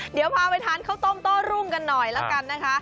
เดี๋ยวพาไปทานข้าวต้มโต้รุ่งกันหน่อยแล้วกันนะคะ